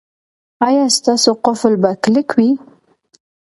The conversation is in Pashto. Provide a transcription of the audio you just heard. ایا ستاسو قفل به کلک وي؟